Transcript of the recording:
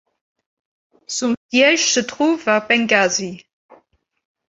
Son siège se trouve à Benghazi.